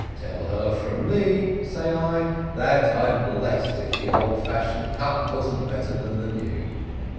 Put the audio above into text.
"Tell her from me," say I, "that I'm blest if the old fashioned cut wasn't better than the new."